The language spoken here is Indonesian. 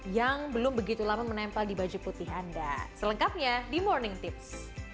yang belum begitu lama menempel di baju putih anda selengkapnya di morning tips